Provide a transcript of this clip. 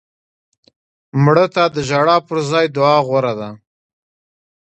مړه ته د ژړا پر ځای دعا غوره ده